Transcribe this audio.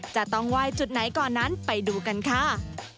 จะต้องไหว้จุดไหนก่อนนั้นไปดูกันค่ะ